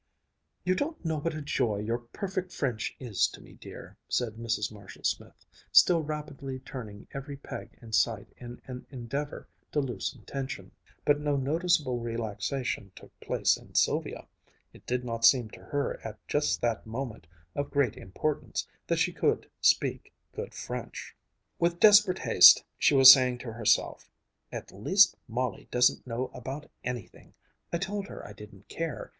"You don't know what a joy your perfect French is to me, dear," said Mrs. Marshall Smith, still rapidly turning every peg in sight in an endeavor to loosen tension; but no noticeable relaxation took place in Sylvia. It did not seem to her at just that moment of great importance that she could speak good French. With desperate haste she was saying to herself, "At least Molly doesn't know about anything. I told her I didn't care.